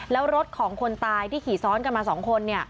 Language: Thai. แล้วรถของคนตายที่ขี่ซ้อนกันมา๒คน